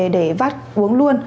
để vắt uống luôn